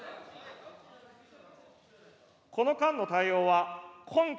この間の対応は根拠